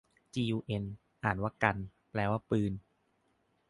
จียูเอ็น อ่านว่ากัน แปลว่าปืน